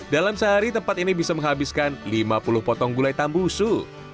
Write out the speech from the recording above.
dalam sehari tempat ini bisa menghabiskan lima puluh potong gulai tambusu